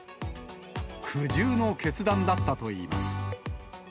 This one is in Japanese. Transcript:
苦渋の決断だったといいます。